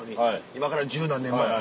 今から１０何年前。